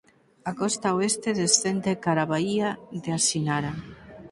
A costa oeste descende cara á baía de Asinara.